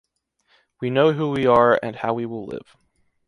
We know who we are and how we will live.